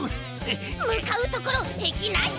むかうところてきなし！